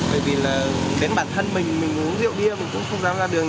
bởi vì là đến bản thân mình mình uống rượu bia mình cũng không dám ra đường